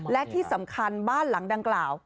และที่สำคัญบ้านหลังดังกล่าว